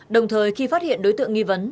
đồng thời khi phát hiện đối tượng nghi vấn